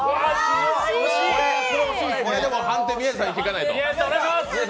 これ、判定は宮地さんに聞かないと。